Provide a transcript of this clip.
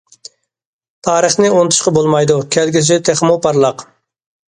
تارىخنى ئۇنتۇشقا بولمايدۇ، كەلگۈسى تېخىمۇ پارلاق.